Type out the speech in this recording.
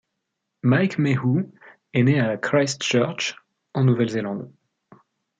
Mike Mayhew est né à Christchurch, en Nouvelle-Zélande.